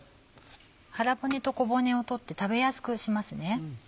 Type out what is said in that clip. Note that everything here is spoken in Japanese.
腹骨と小骨を取って食べやすくしますね。